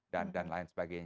dan lain sebagainya